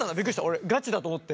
俺ガチだと思って。